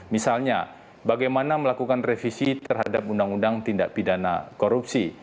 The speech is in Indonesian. misalnya bagaimana melakukan revisi terhadap undang undang tindak pidana korupsi